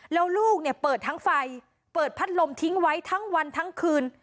แล้วลูกเนี่ยเปิดทั้งไฟเปิดพัดลมทิ้งไว้ทั้งวันทั้งคืน